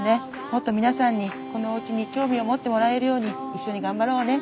もっと皆さんにこのおうちに興味を持ってもらえるように一緒に頑張ろうね。